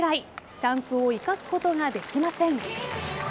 チャンスを生かすことができません。